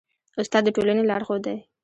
استاد د ټولني لارښود دی.